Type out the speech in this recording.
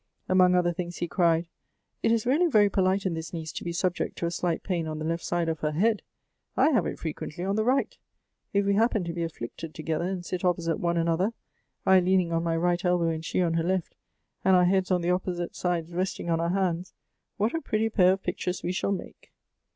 Among other things, he cried, "It is really very polite in this niece to be subject to a slight p.ain on the left side of her head. I have it frequently on the right. If we happen to be afflicted together, and sit opposite one another, — I leaning on my right elbow, and she on her left, and our 3 50 Gobthe's heads on the opposite sides, resting on our hands, — what a pretty pair of pictures we shall make."